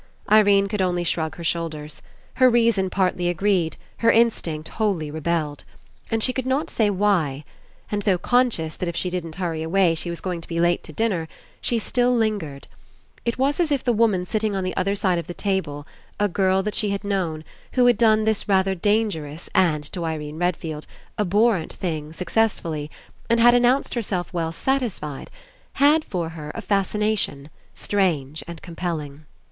Irene could only shrug her shoulders. Her reason partly agreed, her instinct wholly rebelled. And she could not say why. And though conscious that if she didn't hurry away, she was going to be late to dinner, she still lingered. It was as if the woman sitting on the other side of the table, a girl that she had known, who had done this rather dangerous and, to Irene Redfield, abhorrent thing success fully and had announced herself well satisfied, had for her a fascination, strange and com pelling.